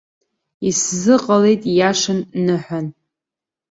Исзыҟалеит, иашан, ныҳәан.